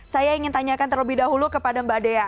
saya ingin tanyakan terlebih dahulu kepada mbak dea